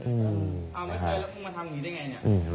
เอาไว้เถอะแล้วคุณมาทำอย่างนี้ได้อย่างไร